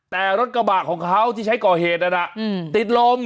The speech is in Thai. แต่รถกระบะของเขาที่ใช้ก่อเหตุนั้นติดลม